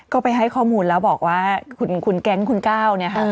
ก็ไปให้ข้อมูลแล้วบอกว่าคุณแก๊งคุณก้าวเนี่ยค่ะ